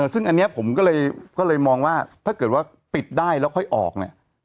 ซึ่งอันนี้ผมก็เลยมองว่าถ้าเกิดว่าปิดได้แล้วค่อยออกเนี่ย